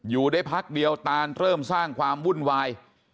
อยู่ได้พักเดียวตานเริ่มสร้างความวุ่นวาย